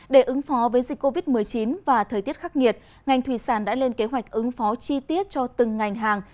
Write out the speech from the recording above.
để ứng phó với dịch covid một mươi chín và thời tiết khắc nghiệt ngành thủy sản đã lên kế hoạch ứng phó chi tiết cho từng ngành hàng